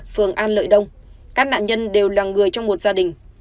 phường an lợi đông các nạn nhân đều là người trong một gia đình